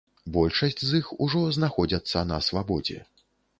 Большасць з іх ужо знаходзяцца на свабодзе.